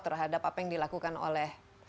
terhadap apa yang dilakukan oleh